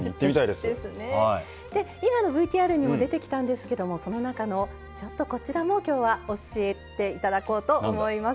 で今のＶＴＲにも出てきたんですけどもその中のちょっとこちらも今日は教えていただこうと思います。